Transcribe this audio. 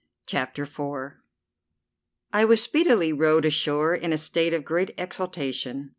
CHAPTER IV I was speedily rowed ashore in a state of great exaltation.